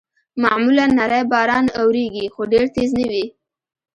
معمولاً نری باران اورېږي، خو ډېر تېز نه وي.